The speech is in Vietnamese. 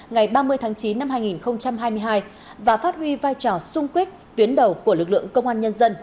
ngày ba mươi tháng chín năm hai nghìn hai mươi hai và phát huy vai trò sung kích tuyến đầu của lực lượng công an nhân dân